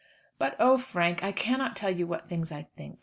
But, oh, Frank, I cannot tell you what things I think.